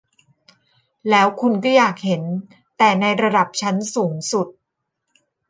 แล้วคุณก็อยากเห็นแต่ในระดับชั้นสูงสุด